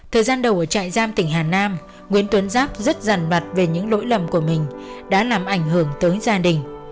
thời gian đầu ở trại giam tỉnh hà nam nguyễn tuấn giáp rất ràn mặt về những lỗi lầm của mình đã làm ảnh hưởng tới gia đình